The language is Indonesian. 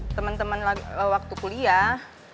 temen temen waktu kuliah